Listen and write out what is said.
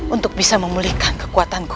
untuk bisa memer colegg kekuatanku